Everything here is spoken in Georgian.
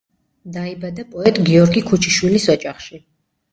დაიბადა პოეტ გიორგი ქუჩიშვილის ოჯახში.